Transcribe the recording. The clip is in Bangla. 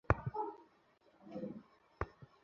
সব গাছ কেটে ফেলেছে?